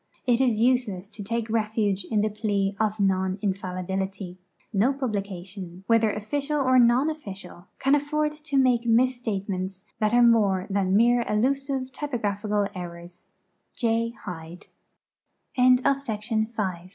It is useless to take refuge in the plea of non infallibility. No publication, whether official or non official, can afford to make misstatements that are more than mere elusive, typo graphical errors. J.